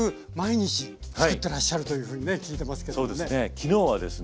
昨日はですね